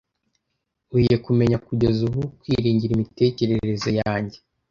Nkwiye kumenya kugeza ubu kwiringira imitekerereze yanjye.